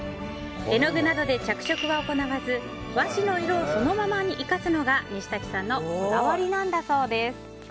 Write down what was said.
絵の具などで着色は行わず和紙の色をそのまま生かすのが西瀧さんのこだわりなんだそうです。